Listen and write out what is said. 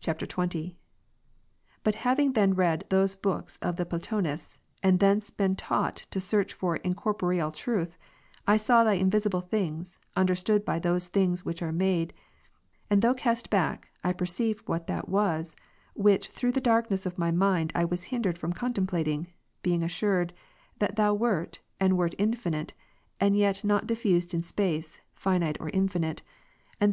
[XX.] 26. But having then read those books of the Plato nists, and thence being taught to search for incoi'poreal truth, I saw Thy invisible things, understood by those things which are made ; and though cast back, I perceived what that was, which through the darkness of my mind I was hindered from contemplating, being assured, " That Thou wert, and wert infinite, and yet not diffused in space, finite or infinite ; and human, i.